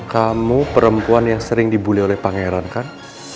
kamu perempuan yang sering dibully oleh pangeran kan